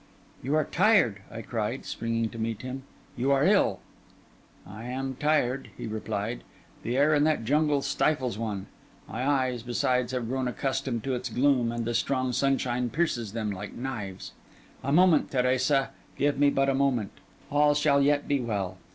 'You are tired,' I cried, springing to meet him. 'You are ill.' 'I am tired,' he replied; 'the air in that jungle stifles one; my eyes, besides, have grown accustomed to its gloom, and the strong sunshine pierces them like knives. A moment, Teresa, give me but a moment. All shall yet be well.